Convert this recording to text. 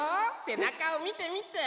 せなかをみてみて。